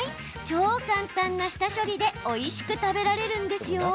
超簡単な下処理でおいしく食べられるんですよ。